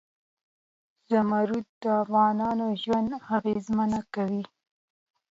زمرد د افغانانو ژوند اغېزمن کوي.